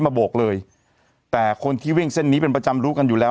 โบกเลยแต่คนที่วิ่งเส้นนี้เป็นประจำรู้กันอยู่แล้ว